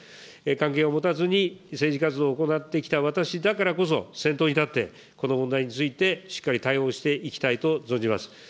関係を持たずに政治活動を行ってきた私だからこそ、先頭に立って、この問題についてしっかり対応していきたいと存じます。